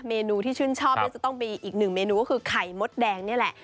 เมนูที่ชื่นชอบจะต้องเป็นอีก๑เมนูดังคือไข่มดแดงนี่แหละ